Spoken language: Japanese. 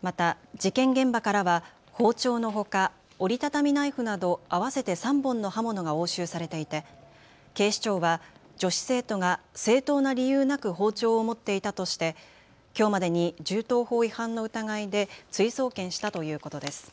また事件現場からは包丁のほか折り畳みナイフなど合わせて３本の刃物が押収されていて警視庁は女子生徒が正当な理由なく包丁を持っていたとしてきょうまでに銃刀法違反の疑いで追送検したということです。